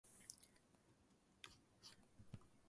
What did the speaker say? jdmpjdmx